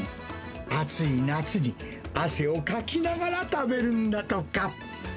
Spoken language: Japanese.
暑い夏に、汗をかきながら食べるんだとか。